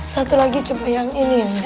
satu lagi coba yang ini